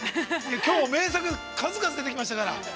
きょうも名作、数々出てきましたから。